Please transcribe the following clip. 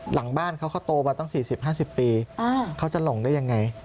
หลังบ้านเขาเขาโตมาตั้ง๔๐๕๐ปีเขาจะหลงได้ยังไง